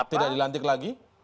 tidak dilantik lagi